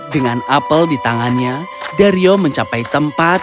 dengan apel di tangannya dario mencapai tempat